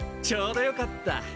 ちょうどよかった。